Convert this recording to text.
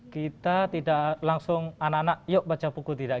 kita tidak langsung anak anak yuk baca buku tidak